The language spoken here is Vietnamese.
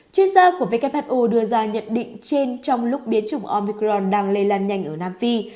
chuyên gia của who đưa ra nhận định trên trong lúc biến chủng omicron đang lây lan nhanh ở nam phi